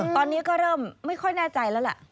ตอนนี้ก็เริ่มไม่ค่อยแน่ใจแล้วล่ะ